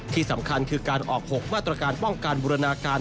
ที่สำคัญคือการออก๖มาตรการป้องกันบูรณาการ